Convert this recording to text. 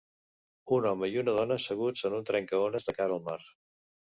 Un home i una dona asseguts en un trencaones de cara al mar.